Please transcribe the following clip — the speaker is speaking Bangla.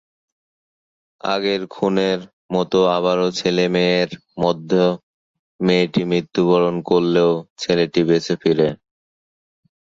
আগের খুনের মত আবারো ছেলে-মেয়ের মধ্যে মেয়েটি মৃত্যুবরণ করলেও ছেলেটি বেঁচে ফিরে।